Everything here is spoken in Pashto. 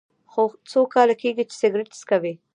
څو کاله کیږي چې سګرټ څکوئ؟